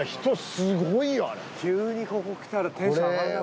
急にここ来たらテンション上がるね